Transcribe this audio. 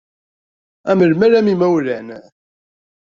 Am lmal, am yimawlan.